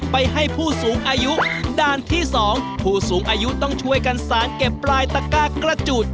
ไปให้ผู้สูงอายุด้านที่สองผู้สูงอายุต้องช่วยกันสารเก็บปลายตะก้ากระจุด